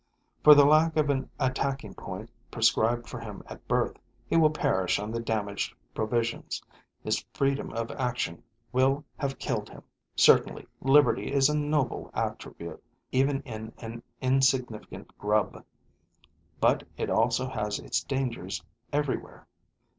For the lack of an attacking point prescribed for him at birth, he will perish on the damaged provisions. His freedom of action will have killed him. Certainly, liberty is a noble attribute, even in an insignificant grub; but it also has its dangers everywhere.